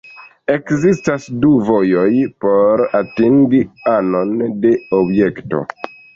Ekzistas du vojoj por atingi anon de objekto.